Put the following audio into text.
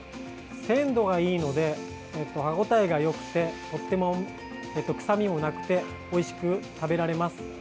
鮮度がいいので歯応えがよくてとっても臭みもなくておいしく食べられます。